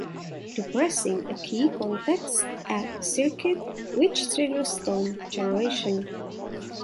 Depressing a key connects a circuit, which triggers tone generation.